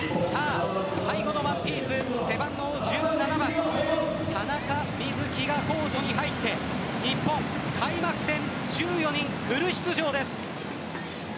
最後の１ピース背番号１７番田中瑞稀がコートに入って日本、開幕戦１４人フル出場です。